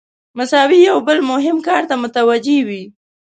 مساوي یو بل مهم کار ته متوجه وي.